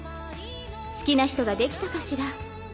好きな人ができたかしら？